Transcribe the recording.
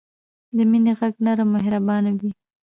د مینې ږغ نرم او مهربان وي.